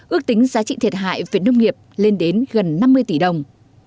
ước tính giá trị thiệt hại về nông nghiệp lên đến gần năm mươi tỷ đồng